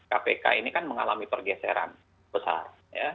kpk ini kan mengalami pergeseran besar